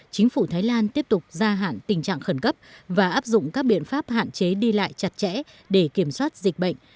chính phủ thái lan tiếp tục gia hạn tình trạng khẩn cấp và áp dụng các biện pháp hạn chế đi lại chặt chẽ để kiểm soát dịch bệnh